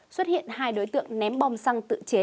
xuất hiện hai đối tượng ném bom xăng tự chế